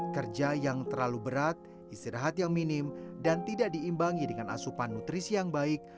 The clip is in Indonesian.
kerja yang terlalu berat istirahat yang minim dan tidak diimbangi dengan asupan nutrisi yang baik